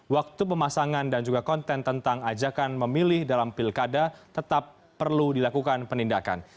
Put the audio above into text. waktu pemasangan dan juga konten tentang ajakan memilih dalam pilkada tetap perlu dilakukan penindakan